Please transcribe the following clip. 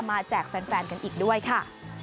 แจกแฟนกันอีกด้วยค่ะ